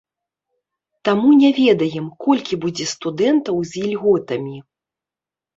Таму не ведаем, колькі будзе студэнтаў з ільготамі.